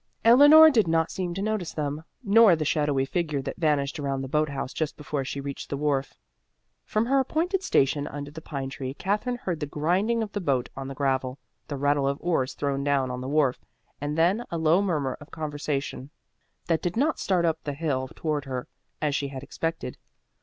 Eleanor did not seem to notice them, nor the shadowy figure that vanished around the boat house just before they reached the wharf. From her appointed station under the pine tree Katherine heard the grinding of the boat on the gravel, the rattle of oars thrown down on the wharf, and then a low murmur of conversation that did not start up the hill toward her, as she had expected.